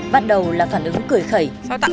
bắt đầu là phản ứng cười khẩy